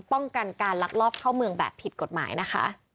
ป้องกันการลักลอบเข้าเมืองแบบผิดกฎหมายนะคะ